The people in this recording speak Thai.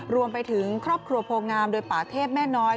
รวมไปถึงครอบครัวโพงามโดยป่าเทพแม่น้อย